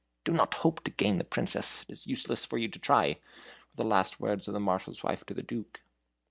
'Do not hope to gain the Princess. It is useless for you to try,' were the last words of the Marshal's wife to the Duke."